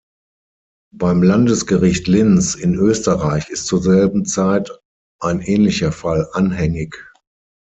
Beim Landesgericht Linz in Österreich ist zur selben Zeit ein ähnlicher Fall anhängig.